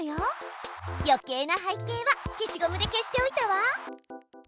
よけいな背景は消しゴムで消しておいたわ。